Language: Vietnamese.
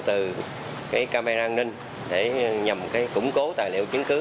từ camera an ninh để nhằm củng cố tài liệu chứng cứ